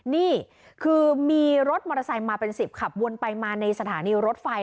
นี่คือมีรถมอเตอร์ไซค์มาเป็น๑๐ขับวนไปมาในสถานีรถไฟ